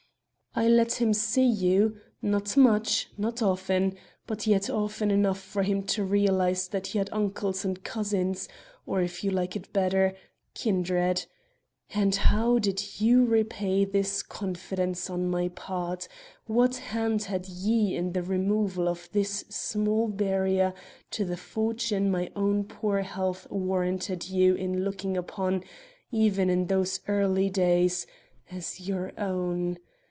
"I let him see you; not much, not often, but yet often enough for him to realize that he had uncles and cousins, or, if you like it better, kindred. And how did you repay this confidence on my part? What hand had ye in the removal of this small barrier to the fortune my own poor health warranted you in looking upon, even in those early days, as your own?